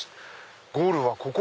ゴールはここ！